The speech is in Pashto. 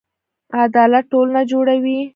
عدالت ټولنه جوړوي